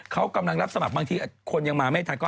เขากำลังรับสมัครบางทีคนยังมาไม่ทันก็